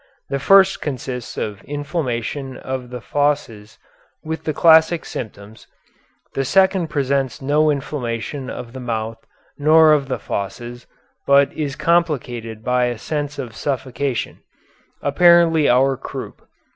The first consists of inflammation of the fauces with the classic symptoms, the second presents no inflammation of the mouth nor of the fauces, but is complicated by a sense of suffocation apparently our croup.